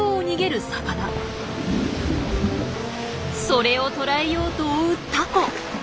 それを捕らえようと追うタコ！